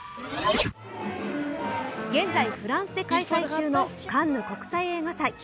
現在、フランスで開催中のカンヌ国際映画祭。